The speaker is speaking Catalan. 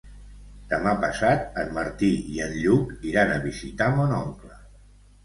Demà passat en Martí i en Lluc iran a visitar mon oncle.